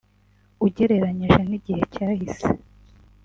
ugereranyije n’igihe cyahise